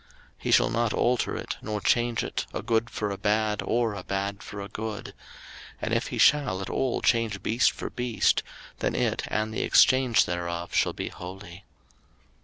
03:027:010 He shall not alter it, nor change it, a good for a bad, or a bad for a good: and if he shall at all change beast for beast, then it and the exchange thereof shall be holy.